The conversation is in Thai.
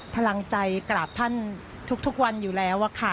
พลังใจกราบท่านทุกวันอยู่แล้วค่ะ